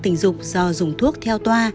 tình dục do dùng thuốc theo toa